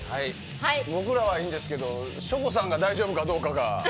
僕らはいいんですけど省吾さんが大丈夫かどうかが。